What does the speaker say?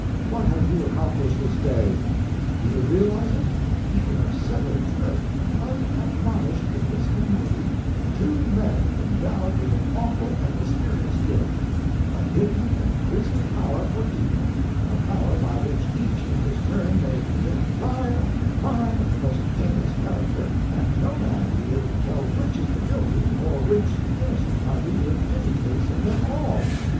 What have you accomplished this day? Do you realize it? You have set adrift, unadmonished, in this community, two men endowed with an awful and mysterious gift, a hidden and grisly power for evil a power by which each in his turn may commit crime after crime of the most heinous character, and no man be able to tell which is the guilty or which the innocent party in any case of them all.